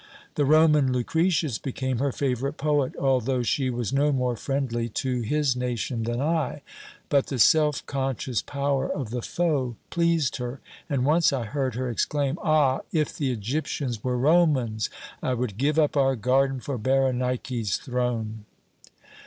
"The Roman Lucretius became her favourite poet, although she was no more friendly to his nation than I, but the self conscious power of the foe pleased her, and once I heard her exclaim 'Ah! if the Egyptians were Romans, I would give up our garden for Berenike's throne.'